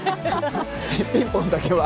ピンポンだけは。